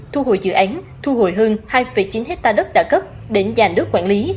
thu hồi dự án thu hồi hơn hai chín hectare đất đã cấp để nhà nước quản lý